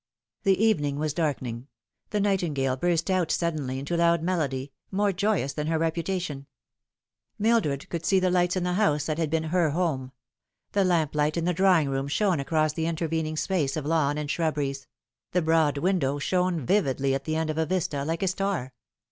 The evening was darkening. The nightingale burst out suddenly into loud melody, more joyous than her reputation. Mildred could see the lights in the house that had been her home. The lamplight in the drawing room shone across the intervening space of lawn and shrubberies ; the broad window shone vividly at the end of a vista, like a star.